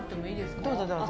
どうぞ、どうぞ。